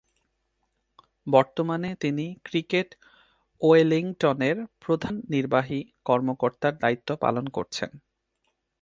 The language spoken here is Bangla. বর্তমানে তিনি ক্রিকেট ওয়েলিংটনের প্রধান নির্বাহী কর্মকর্তার দায়িত্ব পালন করছেন।